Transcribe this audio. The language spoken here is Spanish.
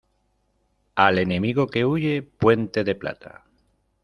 Al enemigo que huye, puente de plata.